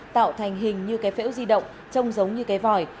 tạo thành hình như cái phễu di động trông giống như cái vòi